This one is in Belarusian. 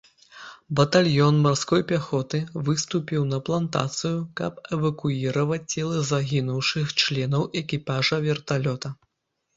Батальён марской пяхоты выступіў на плантацыю, каб эвакуіраваць целы загінуўшых членаў экіпажа верталёта.